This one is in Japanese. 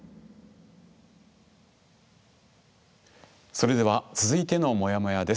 それでは続いてのモヤモヤです。